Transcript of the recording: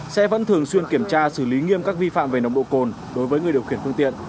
xe vẫn thường xuyên kiểm tra xử lý nghiêm các vi phạm về nồng độ cồn đối với người điều khiển phương tiện